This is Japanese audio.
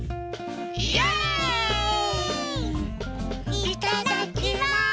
いただきます！